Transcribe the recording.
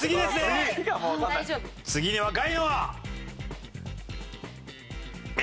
次に若いのはＡ！